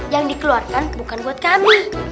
yang dikeluarkan bukan buat kami